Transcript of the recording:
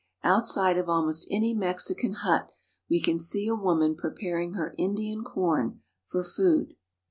Outside of almost any Mexican hut we can see a woman preparing her Indian corn for food.